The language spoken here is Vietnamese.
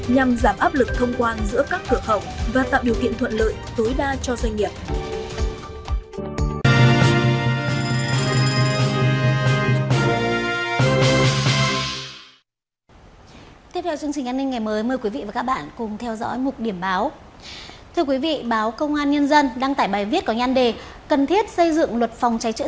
nhằm giảm áp lực thông quan giữa các cửa khẩu và tạo điều kiện thuận lợi tối đa cho doanh nghiệp